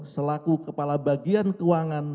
selaku kepala bagian keuangan